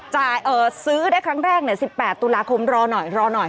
ซื้อได้ครั้งแรก๑๘ตุลาคมรอหน่อยรอหน่อย